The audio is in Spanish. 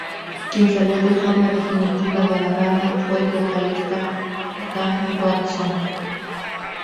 Quien salió de forma definitiva de la banda, fue el vocalista Dan Watson.